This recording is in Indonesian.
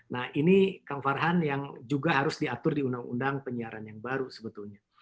nah ini kang farhan yang juga harus diatur di undang undang penyiaran yang baru sebetulnya